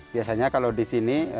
biasanya kalau di sini